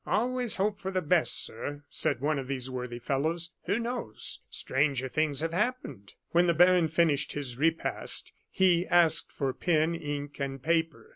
"Always hope for the best, sir," said one of these worthy fellows. "Who knows? Stranger things have happened!" When the baron finished his repast, he asked for pen, ink, and paper.